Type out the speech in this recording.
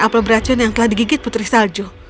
apel beracun yang telah digigit putri salju